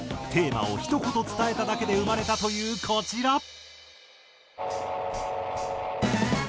テーマをひと言伝えただけで生まれたというこちら。